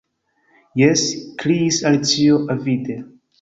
"Jes," kriis Alicio avide.